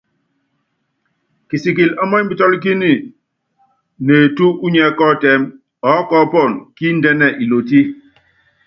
Kisikili ɔmɔ́nipítɔ́líkíni neetú unyiɛ́ kɔ́ɔtɛ́m, ɔɔ́kɔɔ́pɔnɔ kíndɛ́nɛ ilotí.